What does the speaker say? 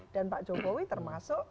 dan pak jokowi termasuk